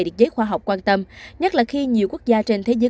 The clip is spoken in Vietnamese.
địch giấy khoa học quan tâm nhất là khi nhiều quốc gia trên thế giới